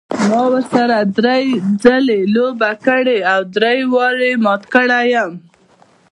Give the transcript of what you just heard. ما ورسره درې ځلې لوبه کړې او درې واړه یې مات کړی یم.